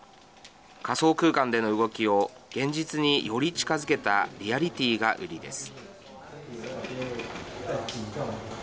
仮想空間での動きを現実により近づけたリアリティーが売りです。